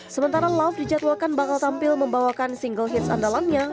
sementara love dijadwalkan bakal tampil membawakan single hits andalannya